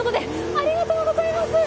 ありがとうございます！